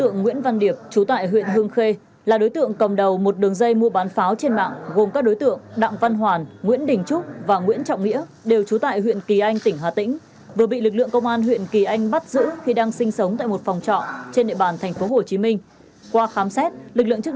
nguyễn văn điệp chú tại huyện hương khê là đối tượng cầm đầu một đường dây mua bán pháo trên mạng gồm các đối tượng đặng văn hoàn nguyễn đình trúc và nguyễn trọng nghĩa đều chú tại huyện kỳ anh bắt giữ khi đang sinh sống tại một phòng trọng trên địa bàn thành phố hồ chí minh